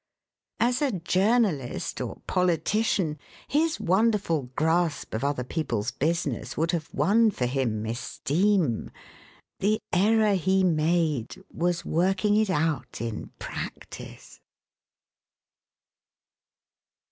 As a journalist or politician his wonderful grasp of other people's business would have won for him esteem. The error he made was working it out in practice.